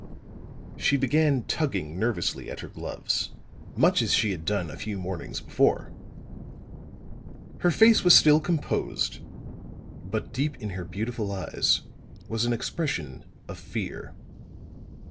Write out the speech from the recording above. She began tugging nervously at her gloves, much as she had done a few mornings before. Her face was still composed; but deep in her beautiful eyes was an expression of fear.